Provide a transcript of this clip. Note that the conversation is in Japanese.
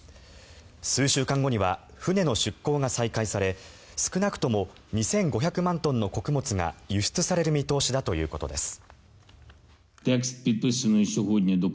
数週間後には船の出港が再開され少なくとも２５００万トンの穀物が輸出される見通しだということです。